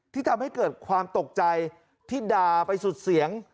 ที่ทำให้เกิดความตกใจที่ด่าไปสุดเสียง